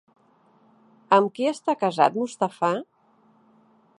Amb qui està casat Mustafà?